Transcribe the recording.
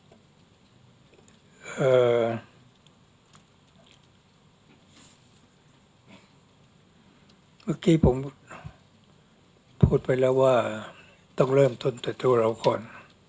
เมื่อกี้ผมพูดไปแล้วว่าต้องเริ่มต้นแต่ตัวเราก่อน